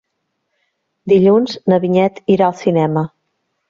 Dilluns na Vinyet irà al cinema.